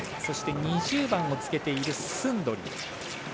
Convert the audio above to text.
そして２０番をつけているスンドリン。